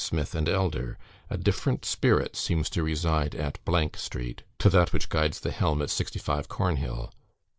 Smith and Elder; a different spirit seems to preside at Street, to that which guides the helm at 65, Cornhill.